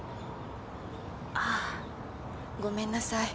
あぁ。ごめんなさい。